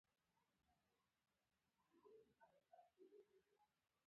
ژبه د خلګو یو بل ته د تلو لاره ده